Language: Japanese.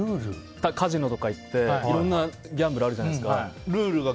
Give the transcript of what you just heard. カジノとか行っていろんなギャンブルあるじゃないですか。